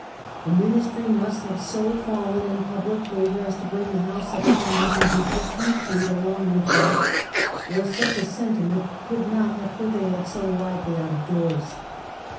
The Ministry must have so fallen in public favour as to bring the House of Commons into disrepute along with them, or such a sentiment could not have pre vailed so widely out of doors.